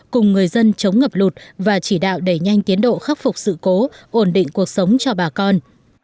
cùng người dân chống ngập lụt và chỉ đạo đẩy nhanh tiến độ khắc phục sự cố ổn định cuộc sống cho bà con